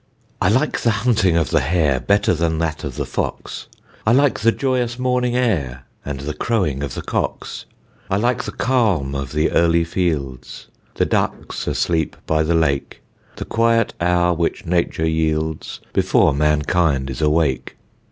I like the hunting of the hare Better than that of the fox; I like the joyous morning air, And the crowing of the cocks. I like the calm of the early fields, The ducks asleep by the lake, The quiet hour which Nature yields Before mankind is awake.